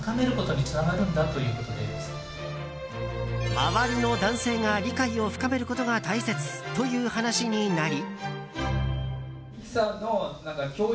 周りの男性が理解を深めることが大切という話になり。